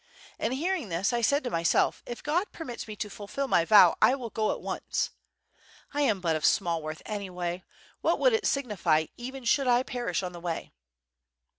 And hearing this, I said to myself, 'If God permits me to fulfill my vow I will go at once!' I am but of small worth anyway, what would it signify even should I perish on the way."